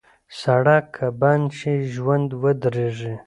سړک که بند شي، ژوند ودریږي.